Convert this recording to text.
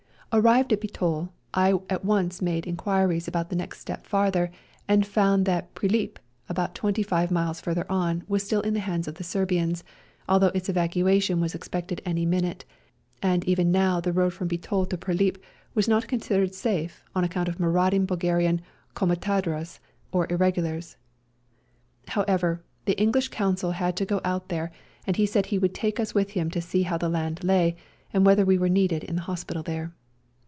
Arrived at Bitol, I at once made in quiries about the next step farther, and found that Prilip, about twenty five miles farther on, was still in the hands of the Serbians, though its evacuation was ex pected any minute, and even now the road from Bitol to Prilip was not con sidered safe on account of marauding Bulgarian comitadjes, or irregulars. How ever, the English Consul had to go out there, and he said he would take us with him to see how the land lay, and whether we were needed in the hospital there.